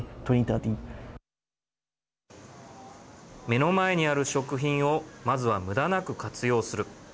目の前にある食品をまずは、むだなく活用する。